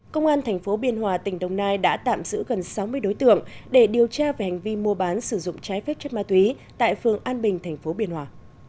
công an thành phố biên hòa tỉnh đồng nai đã tạm giữ gần sáu mươi đối tượng để điều tra về hành vi mua bán sử dụng trái phép chất ma túy tại phường an bình tp biên hòa